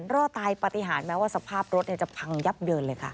รอดตายปฏิหารแม้ว่าสภาพรถจะพังยับเยินเลยค่ะ